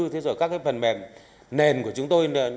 thế rồi các cái phần mềm nền của chúng tôi